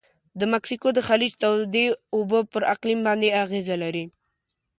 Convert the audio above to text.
د مکسیکو د خلیج تودې اوبه پر اقلیم باندې اغیزه لري.